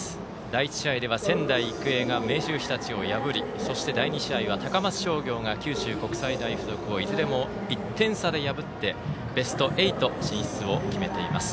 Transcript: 第１試合では仙台育英が明秀日立を破りそして、第２試合では高松商業が九州国際大付属をいずれも１点差で破ってベスト８進出を決めています。